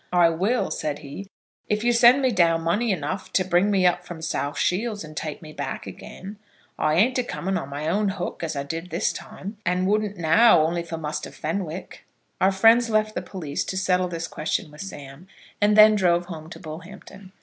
"I will," said he, "if you send me down money enough to bring me up from South Shields, and take me back again. I ain't a coming on my own hook as I did this time; and wouldn't now, only for Muster Fenwick." Our friends left the police to settle this question with Sam, and then drove home to Bullhampton.